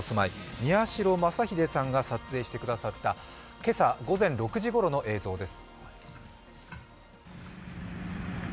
宮代昌秀さんが撮影してくださった今朝午前６時ごろの映像です。